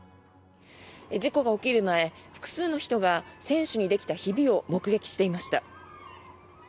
事故が起きる前複数の人が船首にできたひびを目撃していました。